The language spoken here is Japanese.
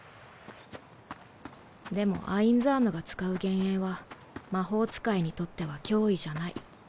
でも幻影鬼が使う幻影は魔法使いにとっては脅威じゃない。